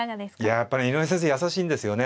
やっぱりね井上先生優しいんですよね。